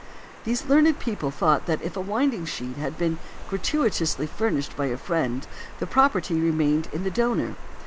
These learned people thought that if a winding sheet had been gratuitously furnished by a friend the property remained in the donor.